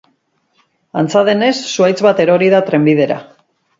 Antza denez, zuhaitz bat erori da trenbidera.